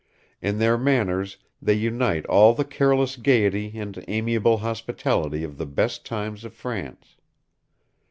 In their manners they unite all the careless gayety and amiable hospitality of the best times of France.